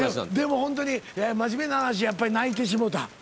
でもホントに真面目な話やっぱり泣いてしもうた？